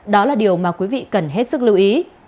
đó là điều mà quý vị cần hết sức lưu ý